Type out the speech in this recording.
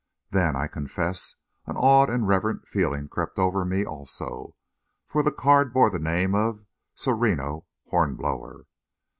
Then, I confess, an awed and reverent feeling crept over me, also, for the card bore the name of Sereno Hornblower.